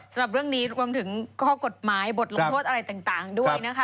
สำหรับเรื่องนี้รวมถึงข้อกฎหมายบทลงโทษอะไรต่างด้วยนะคะ